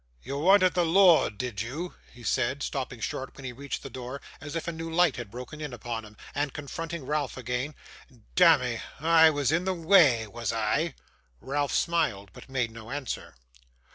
'You wanted the lord, did you?' he said, stopping short when he reached the door, as if a new light had broken in upon him, and confronting Ralph again. 'Damme, I was in the way, was I?' Ralph smiled again, but made no answer.